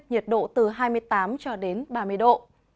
nhiệt độ là từ hai mươi tám ba mươi độ